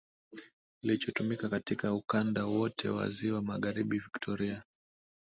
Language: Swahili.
kilichotumika katika ukanda wote wa Ziwa Magharibi Victoria